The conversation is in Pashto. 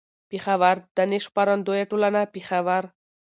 پېښور: دانش خپرندويه ټولنه، پېښور